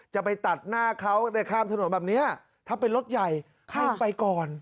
จะไปตัดหน้าเขาได้ข้ามถนนแบบนี้ถ้าเป็นรถใหญ่ให้ไปก่อน